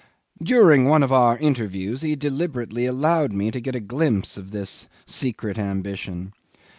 During one of our interviews he deliberately allowed me to get a glimpse of this secret ambition.